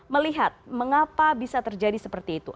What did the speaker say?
melihat mengapa bisa terjadi seperti itu